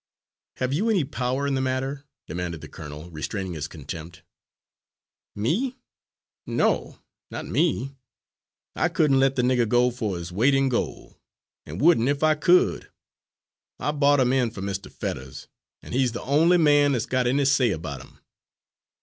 "Have you any power in the matter?" demanded the colonel, restraining his contempt. "Me? No, not me! I couldn't let the nigger go for his weight in gol' an' wouldn' if I could. I bought 'im in for Mr. Fetters, an' he's the only man that's got any say about 'im."